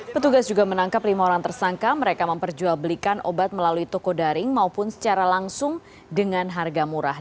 petugas juga menangkap lima orang tersangka mereka memperjualbelikan obat melalui toko daring maupun secara langsung dengan harga murah